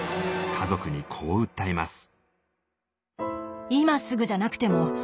家族にこう訴えます。